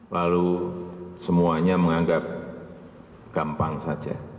lalu semuanya menganggap gampang saja